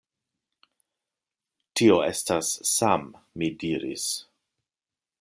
Tio estas Sam, mi diris.